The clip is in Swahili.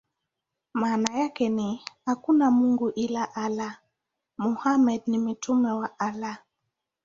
Maana yake ni: "Hakuna mungu ila Allah; Muhammad ni mtume wa Allah".